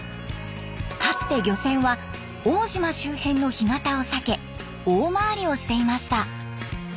かつて漁船は奥武島周辺の干潟を避け大回りをしていました。